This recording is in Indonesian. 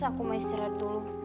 aku mau istirahat dulu